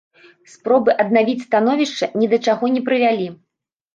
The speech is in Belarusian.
Спробы аднавіць становішча ні да чаго не прывялі.